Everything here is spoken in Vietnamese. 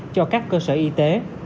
cho các cơ sở y tế